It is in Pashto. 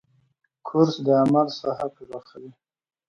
کورس د عمل ساحه پراخوي.